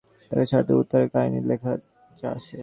তাতে ষাঁড়টিকে উদ্ধারের কাহিনিও লেখা আছে।